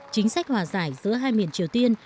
chính sách hòa giải giữa hai miền triều tiên